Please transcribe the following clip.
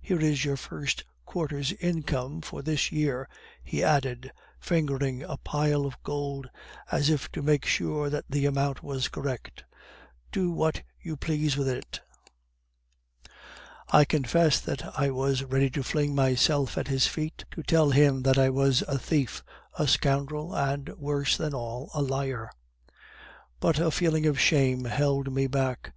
Here is your first quarter's income for this year,' he added, fingering a pile of gold, as if to make sure that the amount was correct. 'Do what you please with it.' "I confess that I was ready to fling myself at his feet, to tell him that I was a thief, a scoundrel, and, worse than all, a liar! But a feeling of shame held me back.